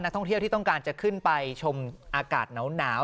ท่องเที่ยวที่ต้องการจะขึ้นไปชมอากาศหนาว